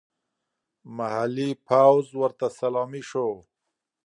محلي پوځ ورته سلامي شو.